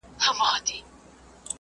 ويل باز به وي حتماً خطا وتلى